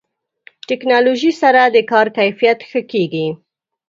ټکنالوژي سره د کار کیفیت ښه کېږي.